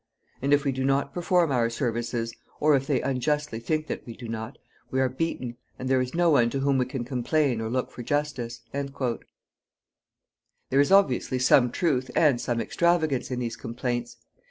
And if we do not perform our services, or if they unjustly think that we do not, we are beaten, and there is no one to whom we can complain or look for justice." There is obviously some truth and some extravagance in these complaints.